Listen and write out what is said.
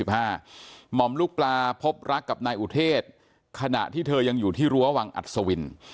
หม่อมลูกปลาพบรักกับนายอุเทศขณะที่เธอยังอยู่ที่รั้ววังอัศวิน